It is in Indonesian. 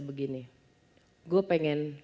begini gue pengen